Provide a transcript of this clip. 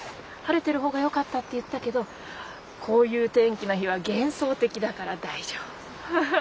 晴れてる方がよかったって言ったけどこういう天気の日は幻想的だから大丈夫。